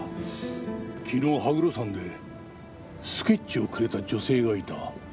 昨日羽黒山でスケッチをくれた女性がいた。